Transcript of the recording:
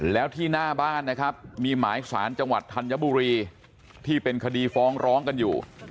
แล้วที่หน้าบ้านนะครับมีหมายสารจังหวัดธัญบุรีที่เป็นคดีฟ้องร้องกันอยู่